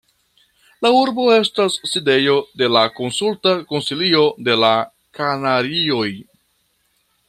La urbo estas sidejo de la Konsulta Konsilio de la Kanarioj.